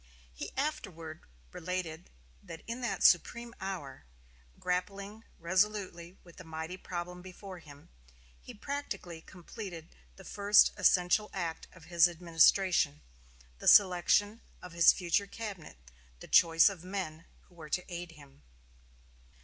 He afterward related that in that supreme hour, grappling resolutely with the mighty problem before him, he practically completed the first essential act of his administration, the selection of his future cabinet the choice of the men who were to aid him.